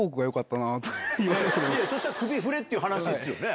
そしたら首振れっていう話ですよね。